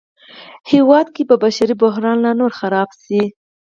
هېواد کې به بشري بحران لا نور خراب شي